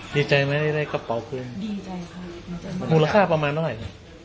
ดีใจไหมได้กระเป๋าเดี๋ยวค่ะภูมิค่าประมาณเท่าไหร่